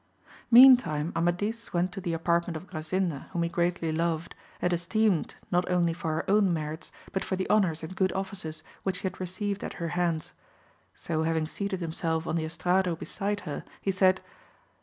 EANTIME Amadis went to the apartment of Grasinda whom he greatly loved, and esteemed not only for her own merits, but for the honours and good offices which he had received at her hands ; so having seated himself on the estrado beside her, he said.